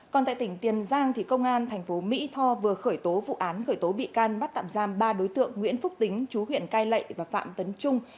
còn tại tỉnh tiền giang công an tp mỹ tho vừa khởi tố vụ án khởi tố bị can bắt tạm giam ba đối tượng nguyễn phúc tính chú huyện cai lậy và phạm tấn trung